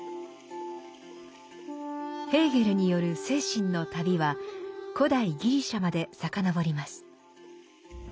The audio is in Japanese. ヘーゲルによる精神の旅は古代ギリシャまで遡ります。